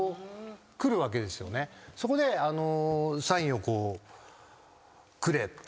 そこでサインをくれって。